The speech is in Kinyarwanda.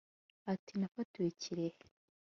Ati “Nafatiwe Kirehe